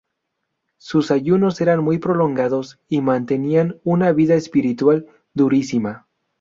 Sus ayunos eran muy prolongados y mantenían una vida espiritual durísima.